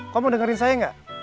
kamu dengerin saya nggak